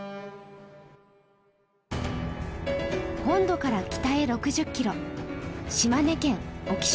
本土から北へ６０キロ